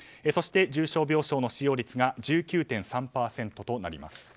そして重症病床の使用率が１９．３％となります。